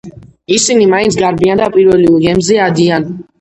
ისინი მაინც გარბიან და პირველივე გემზე ადიან.